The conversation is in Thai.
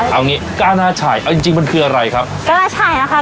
เอางี้กานาชัยเอาจริงจริงมันคืออะไรครับกล้าชัยอ่ะค่ะ